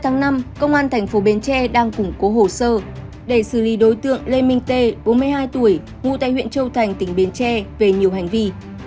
ngày công an thành phố bến tre đang củng cố hồ sơ để xử lý đối tượng lê minh tê bốn mươi hai tuổi ngụ tại huyện châu thành tỉnh bến tre về nhiều hành vi